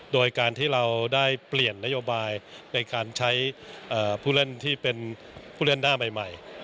โดยการที่เราได้เปลี่ยนนโยบายในการใช้ผู้เล่นที่เป็นผู้เล่นหน้าใหม่